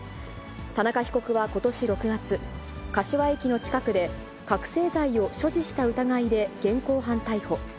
田中被告はことし６月、柏駅の近くで、覚醒剤を所持した疑いで現行犯逮捕。